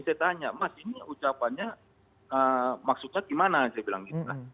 itu ketika saya diskusi ke mas dhani saya tanya mas ini ucapannya maksudnya gimana saya bilang gitu